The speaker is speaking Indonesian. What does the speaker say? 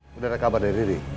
sudah ada kabar dari riri